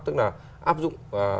tức là áp dụng